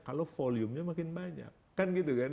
kalau volume nya makin banyak kan gitu kan